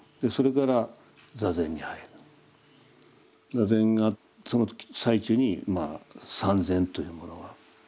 坐禅がその最中に参禅というものが。